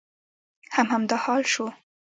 هم همدا حال شو.